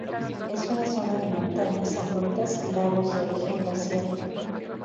Es una zona de montañas abruptas y lagos de origen glaciar.